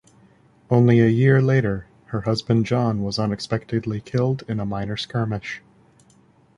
Only a year later, her husband John was unexpectedly killed in a minor skirmish.